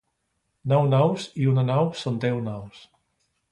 Nou nous i una nou són deu nous